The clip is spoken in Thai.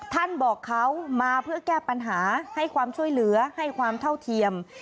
บอกเขามาเพื่อแก้ปัญหาให้ความช่วยเหลือให้ความเท่าเทียม